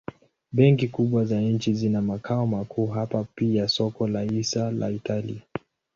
Benki kubwa za nchi zina makao makuu hapa pia soko la hisa la Italia.